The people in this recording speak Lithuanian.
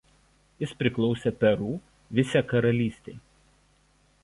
Jis priklausė Peru vicekaralystei.